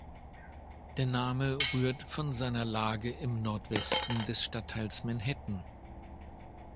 Der Name rührt von seiner Lage im Nordwesten des Stadtteils Manhattan.